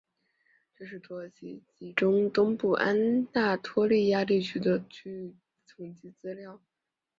这是土耳其中东部安那托利亚地区的区域统计资料。